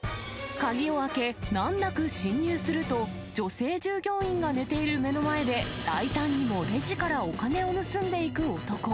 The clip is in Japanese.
鍵を開け、難なく侵入すると、女性従業員が寝ている目の前で、大胆にもレジからお金を盗んでいく男。